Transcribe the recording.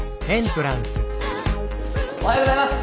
おはようございます！